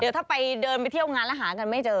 เดี๋ยวถ้าไปเดินไปเที่ยวงานแล้วหากันไม่เจอ